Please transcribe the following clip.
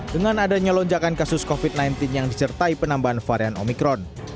dengan adanya lonjakan kasus covid sembilan belas yang disertai penambahan varian omikron